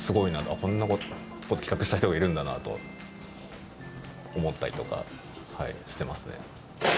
こんなこと企画した人がいるんだなと思ったりとかしてますね。